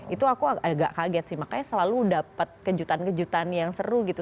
itu aku agak kaget sih makanya selalu dapat kejutan kejutan yang seru gitu